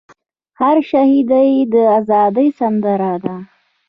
هر شهید ئې د ازادۍ سندره ده